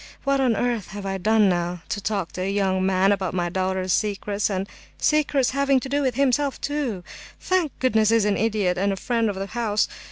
What on earth have I done now? To talk to a young man about my daughter's secrets—and secrets having to do with himself, too! Thank goodness, he's an idiot, and a friend of the house!